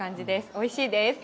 おいしいです。